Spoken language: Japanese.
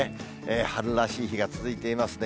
春らしい日が続いていますね。